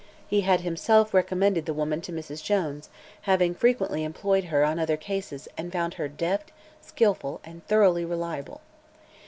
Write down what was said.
He had himself recommended the woman to Mrs. Jones, having frequently employed her on other cases and found her deft, skillful and thoroughly reliable.